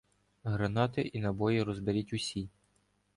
Гранати і набої розберіть усі.